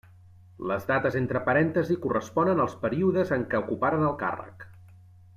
Les dates entre parèntesis corresponen als períodes en què ocuparen el càrrec.